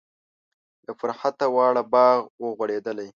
له فرحته واړه باغ و غوړیدلی.